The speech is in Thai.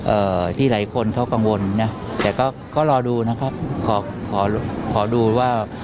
เอ่อที่หลายคนเขากังวลนะแต่ก็ก็รอดูนะครับขอขอดูว่า